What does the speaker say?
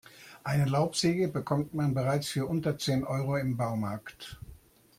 Eine Laubsäge bekommt man bereits für unter zehn Euro im Baumarkt.